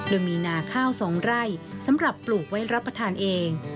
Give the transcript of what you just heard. โดยมีนาข้าว๒ไร่สำหรับปลูกไว้รับประทานเอง